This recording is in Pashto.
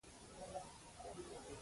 د اساسي قانون لمړۍ ماده